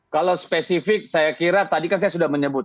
kalau spesifik saya kira tadi kan saya sudah menyebut